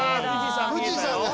富士山が。